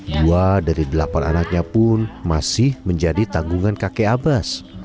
dua dari delapan anaknya pun masih menjadi tanggungan kakek abbas